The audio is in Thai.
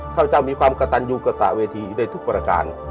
ข้าพเจ้ามีความกระตันยูกระตะเวทีได้ทุกประการ